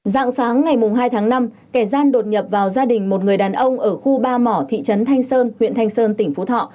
dạng sáng ngày hai tháng năm kẻ gian đột nhập vào gia đình một người đàn ông ở khu ba mỏ thị trấn thanh sơn huyện thanh sơn tỉnh phú thọ